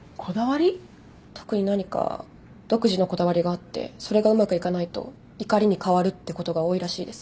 特に何か独自のこだわりがあってそれがうまくいかないと怒りに変わるってことが多いらしいです。